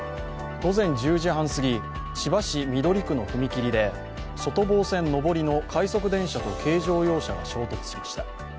午前１０時半すぎ千葉市緑区の踏切で外房線上りの快速電車と軽乗用車が衝突しました。